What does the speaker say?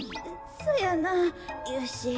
そやなよし。